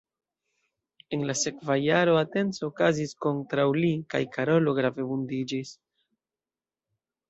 En la sekva jaro atenco okazis kontraŭ li kaj Karolo grave vundiĝis.